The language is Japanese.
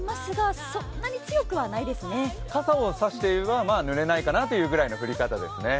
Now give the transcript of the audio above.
傘を差していれば、まあぬれないかなぐらいの降り方ですね。